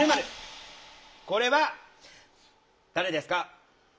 これは誰ですか？